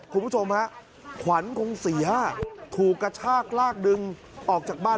คุณผู้ชมฮะขวัญคงเสียถูกกระชากลากดึงออกจากบ้าน